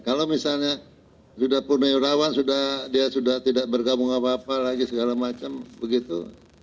kalau misalnya sudah purna yurawan dia sudah tidak bergabung apa apa lagi segala macam begitu